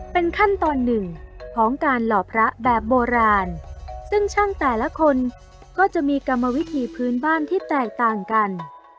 เป็นขั้นตอนหนึ่งของการหล่อพระแบบโบราณซึ่งช่างแต่ละคนก็จะมีกรรมวิธีพื้นบ้านที่แตกต่างกัน